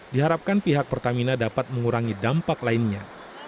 diharapkan pihak pertamina dapat mengurangi dampak lainnya